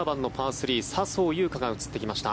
３笹生優花が映ってきました。